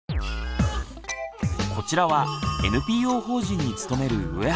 こちらはＮＰＯ法人に勤める上原さん。